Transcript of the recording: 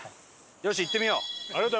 よし行ってみよう。